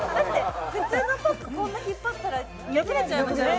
普通のパックこんな引っ張ったら破れちゃいますよね